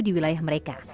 di wilayah kota